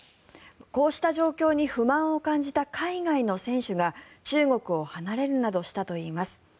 こうした状況に不満を感じた海外の選手が中国を離れるなどしたといいます。